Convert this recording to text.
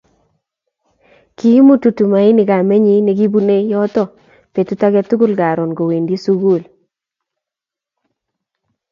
Kiimutu tumaini kamenyi nekibunei yoto betut age tugul Karon kowendi sukul